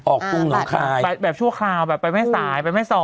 ออกกุ้งน้องคายแบบชั่วคราวแบบเป็นไม่สายเป็นไม่สอดเออ